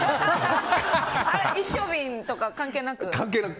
一升瓶とか関係なく？